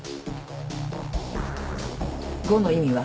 「５の意味は？」